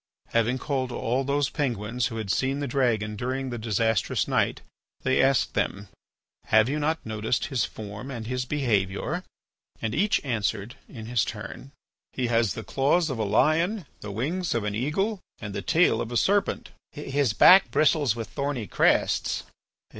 Having called all those Penguins who had seen the dragon during the disastrous night, they asked them: "Have you not noticed his form and his behaviour?" And each answered in his turn: "He has the claws of a lion, the wings of an eagle, and the tail of a serpent." "His back bristles with thorny crests."